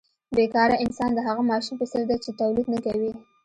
بې کاره انسان د هغه ماشین په څېر دی چې تولید نه کوي